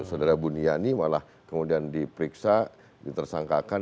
saudara buniani malah kemudian diperiksa ditersangkakan